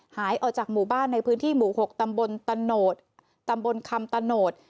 หายออกจากหมู่บ้านในพื้นที่หมู่๖ตำบลคำตะโนด